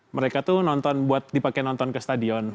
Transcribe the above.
mereka tuh nonton buat dipakai nonton ke stadion